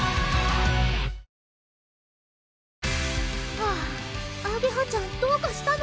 はぁあげはちゃんどうかしたの？